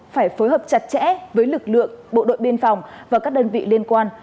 phải phối hợp chặt chẽ với lực lượng bộ đội biên phòng và các đơn vị liên quan